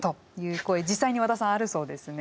実際に和田さんあるそうですね。